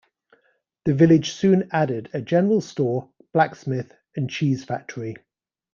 The village soon added a general store, blacksmith and cheese factory.